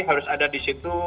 harus ada di situ